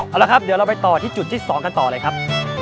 เอาละครับเดี๋ยวเราไปต่อที่จุดที่๒กันต่อเลยครับ